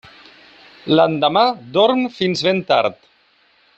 L'endemà dorm fins ben tard.